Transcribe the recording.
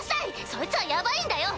そいつはヤバいんだよ！